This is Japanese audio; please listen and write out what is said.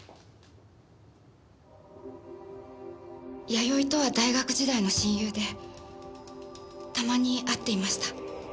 弥生とは大学時代の親友でたまに会っていました。